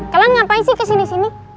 kalian ngapain sih kesini sini